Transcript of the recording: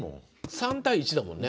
３対１だもんね。